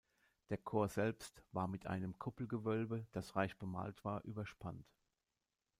Der Chor selbst war mit einem Kuppelgewölbe, das reich bemalt war, überspannt.